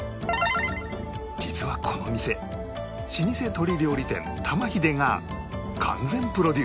実はこの店老舗鳥料理店玉ひでが完全プロデュース